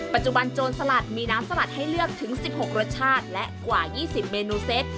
โจรสลัดมีน้ำสลัดให้เลือกถึง๑๖รสชาติและกว่า๒๐เมนูเซต